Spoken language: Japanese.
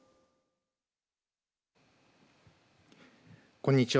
こんにちは。